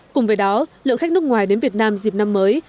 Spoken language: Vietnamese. cùng với đó lượng khách nước ngoài đến việt nam dịp năm mới